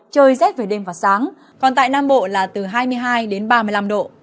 trời rét về đêm và sáng còn tại nam bộ là từ hai mươi hai đến ba mươi năm độ